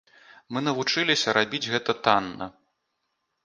Мы навучыліся рабіць гэта танна.